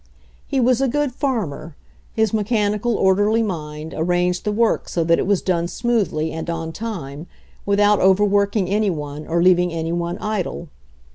He was a good farmer. His mechanical, or derly mind arranged the work so that it was done smoothly, and on time, without overworking any one or leaving any one idle.